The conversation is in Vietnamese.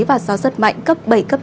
và gió rất mạnh cấp bảy cấp tám